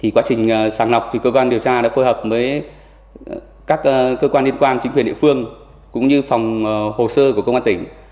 quá trình sàng lọc cơ quan điều tra đã phối hợp với các cơ quan liên quan chính quyền địa phương cũng như phòng hồ sơ của công an tỉnh